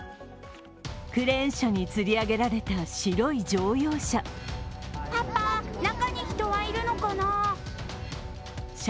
クレーン車につり上げられた白い乗用車。